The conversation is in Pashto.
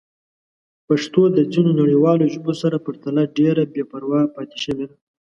پښتو د ځینو نړیوالو ژبو سره پرتله ډېره بې پروا پاتې شوې ده.